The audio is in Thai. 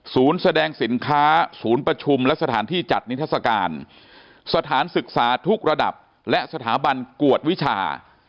แสดงสินค้าศูนย์ประชุมและสถานที่จัดนิทัศกาลสถานศึกษาทุกระดับและสถาบันกวดวิชา